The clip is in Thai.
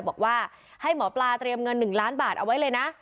บอกว่าให้หมอปลาเตรียมเงิน๑ล้านบาทเอาไว้เลยนะ